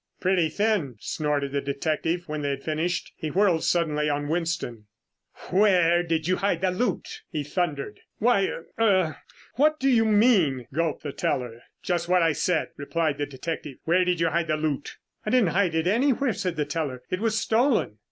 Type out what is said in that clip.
"Pretty thin!" snorted the detective when they had finished. He whirled suddenly on Winston. "Where did you hide the loot?" he thundered. "Why uh er what do you mean?" gulped the teller. "Just what I said," replied the detective. "Where did you hide the loot?" "I didn't hide it anywhere," said the teller. "It was stolen."